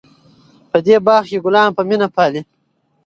په دې باغ کې ګلان په مینه پالي.